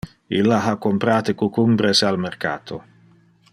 Illa ha comprate cucumbros al mercato.